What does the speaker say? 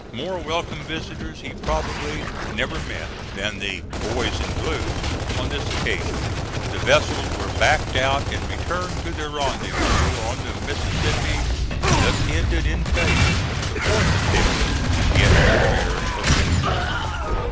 More welcome visitors he probably never met than the "boys in blue" on this occasion. The vessels were backed out and returned to their rendezvous on the Mississippi; and thus ended in failure the fourth attempt to get in rear of Vicksburg.